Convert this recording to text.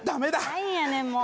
なんやねんもう。